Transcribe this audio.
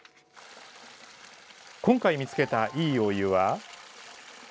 今回見つけたいいお湯は。